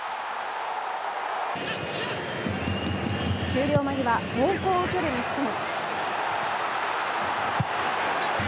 終了間際、猛攻を受ける日本。